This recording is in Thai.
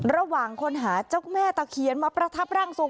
ระหว่างคนหาเจ้าแม่ตะเคียนมาประทับร่างทรง